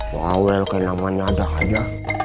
wah awal kayak namanya ada aja